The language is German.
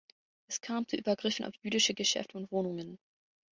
Es kam zu Übergriffen auf jüdische Geschäfte und Wohnungen.